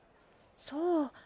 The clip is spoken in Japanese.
そう。